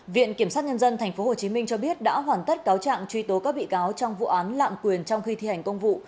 viện kiểm sát nhân dân tp hcm cho biết đã hoàn tất cáo trạng truy tố các bị cáo trong vụ án lạm quyền trong khi thi hành công vụ